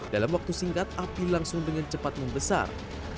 dalam waktu singkat api langsung dengan cepat membesar